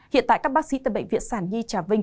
hiện tại các bác sĩ tại bệnh viện sáng nhi trà vinh